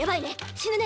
死ぬね！